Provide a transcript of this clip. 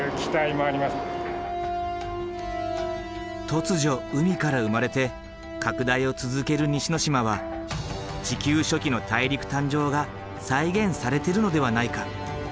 突如海から生まれて拡大を続ける西之島は地球初期の大陸誕生が再現されてるのではないか。